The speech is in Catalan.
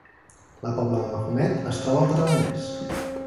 La Pobla de Mafumet es troba al Tarragonès